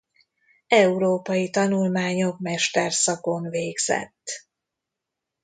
Európai tanulmányok mesterszakon végzett.